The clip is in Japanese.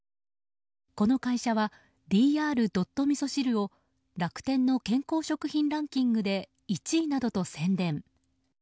この会社は、Ｄｒ．味噌汁を楽天の健康食品ランキングで１位などと宣伝。